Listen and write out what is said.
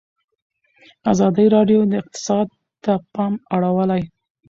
ازادي راډیو د اقتصاد ته پام اړولی.